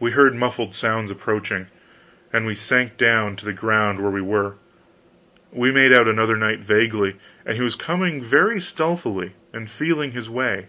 We heard muffled sounds approaching, and we sank down to the ground where we were. We made out another knight vaguely; he was coming very stealthily, and feeling his way.